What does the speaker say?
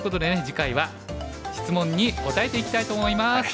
次回は質問に答えていきたいと思います。